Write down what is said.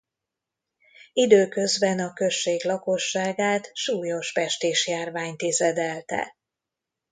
Időközben a község lakosságát súlyos pestisjárvány tizedelte.